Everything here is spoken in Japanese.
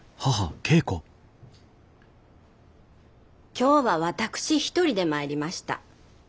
今日は私一人で参りました。